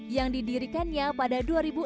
yang didirikannya pada dua ribu enam belas